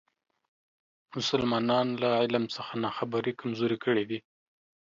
مسلمانان له علم څخه ناخبري کمزوري کړي دي.